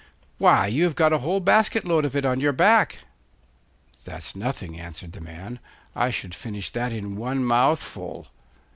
Why, you have got a whole basket load of it on your back.' 'That's nothing,' answered the man; 'I should finish that in one mouthful.